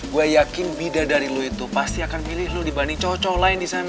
gue yakin bidadari lo itu pasti akan pilih lo dibanding cowok cowok lain disana